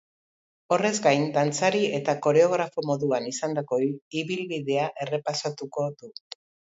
Horrez gain, dantzari eta koreografo moduan izandako ibilbidea errepasatuko du.